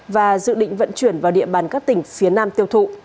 và dự định vận chuyển vào địa bàn các tỉnh phía nam tiêu thụ